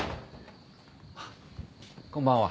あっこんばんは。